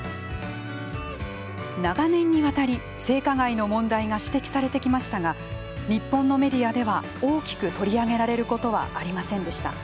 長年にわたり、性加害の問題が指摘されてきましたが日本のメディアでは大きく取り上げられることはありませんでした。